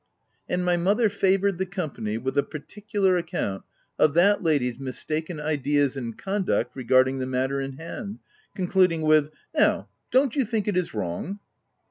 " And my mother favoured the company with a particular account of that lady's mistaken ideas and conduct regarding the matter in hand, concluding with, " Now don't you think it is wrong?"